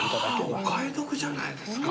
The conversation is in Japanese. じゃあお買い得じゃないですか。